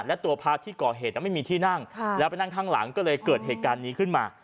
และตัวพระที่ก่อเหตุไม่มีที่นั่งแล้วไปนั่งข้างหลังก็เลยเกิดเหตุการณ์นี้ขึ้นมา